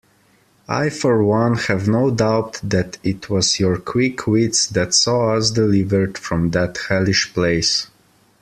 I for one have no doubt that it was your quick wits that saw us delivered from that hellish place.